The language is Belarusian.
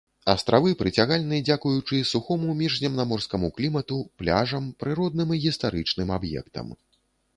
Астравы прыцягальны дзякуючы сухому міжземнаморскаму клімату, пляжам, прыродным і гістарычным аб'ектам.